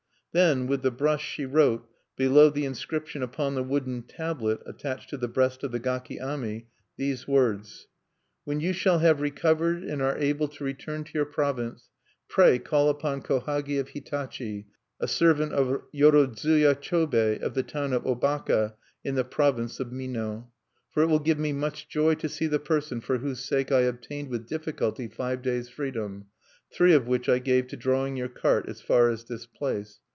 Then, with the brush, she wrote, below the inscription upon the wooden tablet attached to the breast of the gaki ami, these words: "When you shall have recovered and are able to return to your province, pray call upon Kohagi of Hitachi, a servant of Yorodzuya Chobei of the town of Obaka in the province of Mino. "For it will give me much joy to see the person for whose sake I obtained with difficulty five days' freedom, three of which I gave to drawing your cart as far as this place."